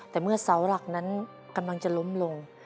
แต่เมื่อเสาหลักนั้นกำลังจะล้มลง